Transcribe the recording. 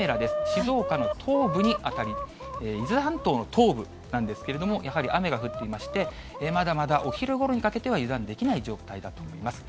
静岡の東部に当たり、伊豆半島の東部なんですけれども、やはり雨が降っていまして、まだまだお昼ごろにかけては油断できない状態だと思います。